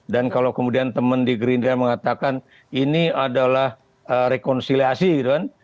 dan kalau kemudian teman di gerindra mengatakan ini adalah rekonsiliasi gitu kan